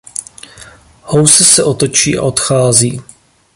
House se otočí a odchází.